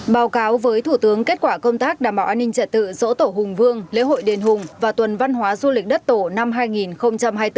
báo cáo với thủ tướng kết quả công tác đảm bảo an ninh trật tự sổ tổ hùng vương lễ hội đền hùng và tuần văn hóa du lịch đất tổ năm hai nghìn hai mươi bốn